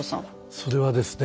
それはですね